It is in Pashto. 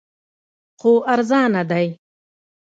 خو ارزانه دی